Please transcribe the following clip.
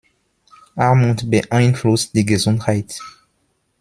Armut beeinflusst die Gesundheit.